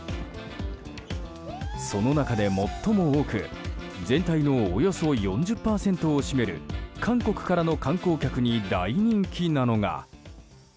その中で最も多く全体のおよそ４０％を占める韓国からの観光客に大人気なのが。